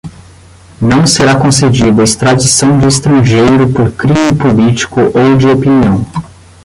não será concedida extradição de estrangeiro por crime político ou de opinião;